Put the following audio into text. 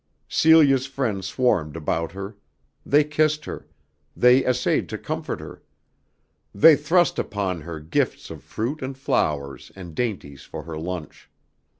Celia's friends swarmed about her. They kissed her. They essayed to comfort her. They thrust upon her gifts of fruit and flowers and dainties for her lunch.